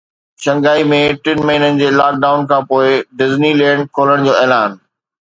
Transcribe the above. شنگهائي ۾ ٽن مهينن جي لاڪ ڊائون کانپوءِ ڊزني لينڊ کولڻ جو اعلان